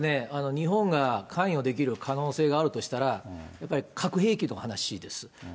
日本が関与できる可能性があるとしたら、核兵器の話です。